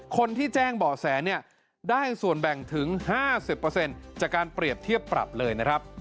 คนที่แจ้งเบาะแสเนี่ยได้ส่วนแบ่งถึง๕๐จากการเปรียบเทียบปรับเลยนะครับ